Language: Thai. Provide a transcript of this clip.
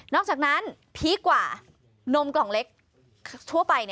อกจากนั้นพีคกว่านมกล่องเล็กทั่วไป